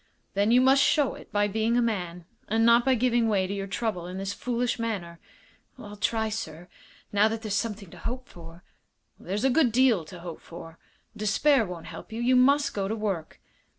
"Then you must show it by being a man, and not by giving way to your trouble in this foolish manner." "I'll try, sir, now that there's something to hope for." "There's a good deal to hope for. Despair won't help you. You must go to work."